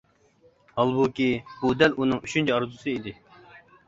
ھالبۇكى، بۇ دەل ئۇنىڭ ئۈچىنچى ئارزۇسى ئىدى.